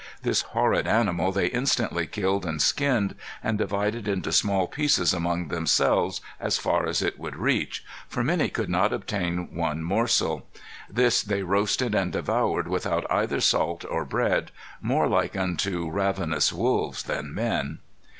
This horrid animal they instantly killed and skinned, and divided into small pieces among themselves as far as it would reach; for many could not obtain one morsel. This they roasted and devoured without either salt or bread more like unto ravenous wolves than men."